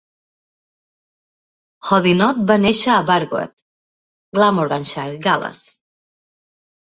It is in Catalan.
Hoddinott va nàixer a Bargoed, Glamorganshire, Gal·les.